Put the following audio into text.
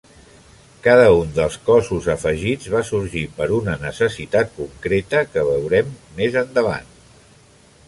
Cada un dels cossos afegits va sorgir per una necessitat concreta que veurem més endavant.